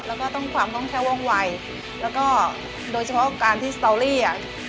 แล้วก็ความต้องเที่ยววงวัยแล้วก็โดยเฉพาะการที่สตอรี่